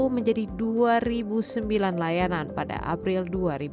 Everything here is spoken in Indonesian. menjadi dua sembilan layanan pada april dua ribu dua puluh